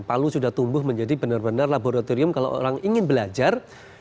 palu sudah tumbuh menjadi benar benar laboratorium kalau orang ingin belajar